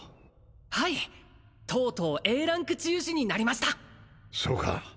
はいとうとうＡランク治癒士になりましたそうか